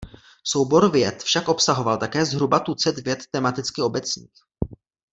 Soubor vět však obsahoval také zhruba tucet vět tematicky obecných.